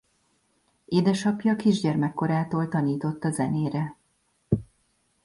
Édesapja kisgyermekkorától tanította zenére.